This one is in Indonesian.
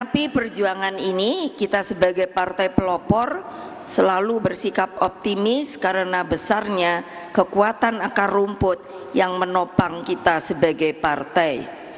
tapi perjuangan ini kita sebagai partai pelopor selalu bersikap optimis karena besarnya kekuatan akar rumput yang menopang kita sebagai partai